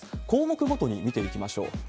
項目ごとに見ていきましょう。